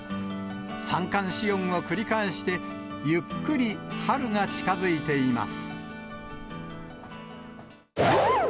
三寒四温を繰り返して、ゆっくり春が近づいています。